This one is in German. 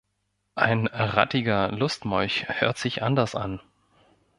Ein rattiger Lustmolch hört sich anders an.